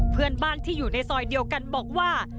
เพื่อนบ้านที่อยู่ในซอยเดียวกันบอกว่า